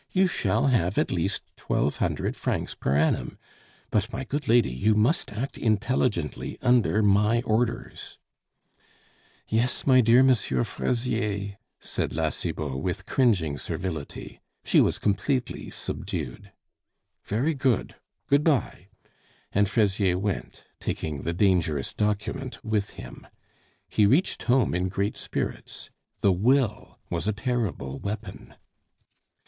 You shall have at least twelve hundred francs per annum.... But, my good lady, you must act intelligently under my orders." "Yes, my dear M. Fraisier," said La Cibot with cringing servility. She was completely subdued. "Very good. Good bye," and Fraisier went, taking the dangerous document with him. He reached home in great spirits. The will was a terrible weapon.